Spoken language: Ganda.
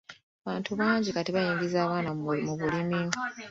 Abantu bangi kati bayingizza abaana mu bulimi.